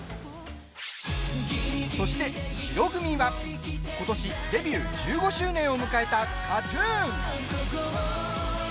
そして白組はことしデビュー１５周年を迎えたＫＡＴ−ＴＵＮ。